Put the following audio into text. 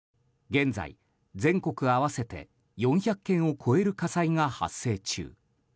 現在、全国合わせて４００件を超える火災が発生中。